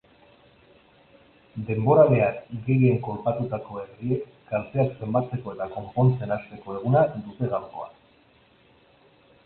Denboraleak gehien kolpatutako herriek kalteak zenbatzeko eta konpontzen hasteko eguna dute gaurkoa.